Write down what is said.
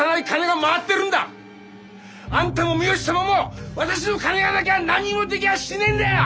あんたも三好様も私の金がなきゃ何もできゃしねえんだよ！